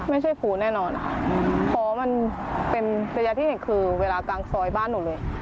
ไม่ใช่ผู้แน่นอนอะอืมพอมันเป็นระยะที่ไหนคือเวลากลางซอยบ้านหนูเลย